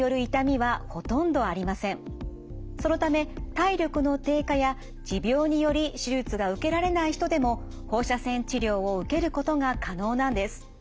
そのため体力の低下や持病により手術が受けられない人でも放射線治療を受けることが可能なんです。